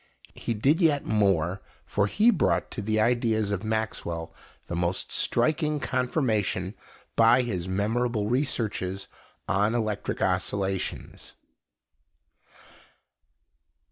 He did yet more, for he brought to the ideas of Maxwell the most striking confirmation by his memorable researches on electric oscillations.